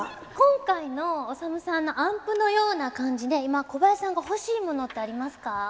今回のおさむさんのアンプのような感じで今小林さんが欲しいものってありますか？